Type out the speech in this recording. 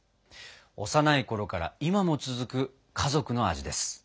幼いころから今も続く家族の味です。